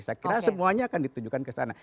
saya kira semuanya akan ditujukan ke sana